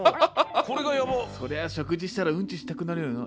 そりゃあ食事したらウンチしたくなるよな。